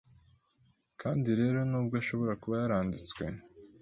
Kandi rero nubwo ashobora kuba yaranditswe